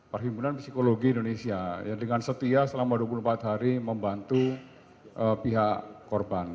perhimpunan psikologi indonesia yang dengan setia selama dua puluh empat hari membantu pihak korban